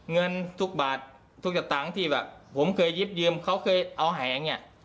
เงินทุกบาททุกจักรต่างที่ผมเคยยิบยืมเขาเคยเอาแหง